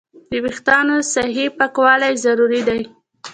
د وېښتیانو صحیح پاکوالی ضروري دی.